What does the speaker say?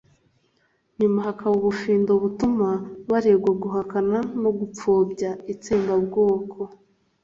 nyuma hakaba ubufindo butuma baregwa guhakana no gupfobya itsembabwoko,